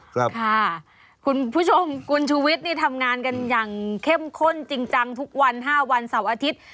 คุณผู้ชมคุณชูวิทย์นี่ทำงานกันอย่างเข้มข้นจริงจังทุกวัน๕วันเสาร์อาทิตย์